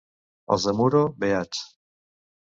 Els de Muro, beats.